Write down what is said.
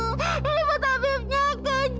ini membuat abibnya kenceng